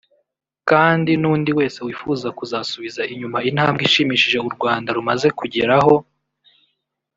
Kandi n’undi wese wifuza kuzasubiza inyuma intambwe ishimishije u Rwanda rumaze kugeraho